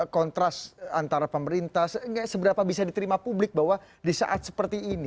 kontras antara pemerintah seberapa bisa diterima publik bahwa di saat seperti ini